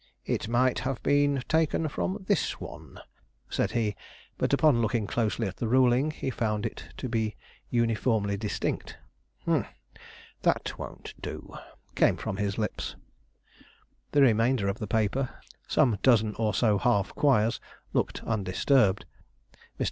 "It might have been taken from this one," said he; but, upon looking closely at the ruling, he found it to be uniformly distinct. "Humph! that won't do!" came from his lips. The remainder of the paper, some dozen or so half quires, looked undisturbed. Mr.